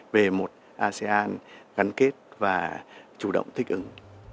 về một asean gắn kết và chủ động thích ứng